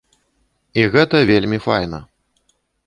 І гэта вельмі файна.